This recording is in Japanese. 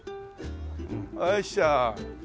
よいしょ。